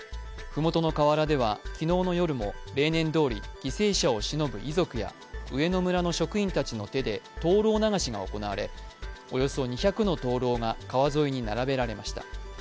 麓の河原では昨日の夜も例年どおり犠牲者をしのぶ遺族や上野村の職員たちの手で灯籠流しが行われ、およそ２００の灯籠が川沿いに並べられました。